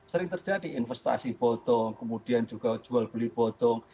sering terjadi investasi bodong kemudian juga jual beli botong